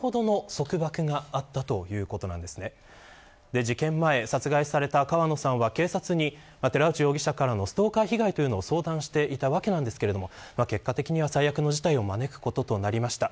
事件前、殺害された川野さんは警察に寺内容疑者からのストーカー被害を相談していたわけですが結果的に最悪の事態を招くことになりました。